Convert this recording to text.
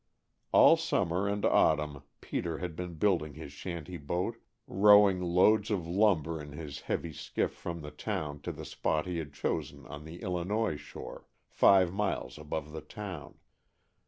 All summer and autumn Peter had been building his shanty boat, rowing loads of lumber in his heavy skiff from the town to the spot he had chosen on the Illinois shore, five miles above the town.